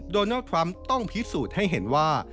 โดนัลด์ทรัมป์ต้องพิสูจน์ให้เห็นว่า